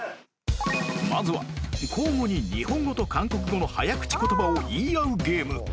まずは交互に日本語と韓国語の早口言葉を言い合うゲーム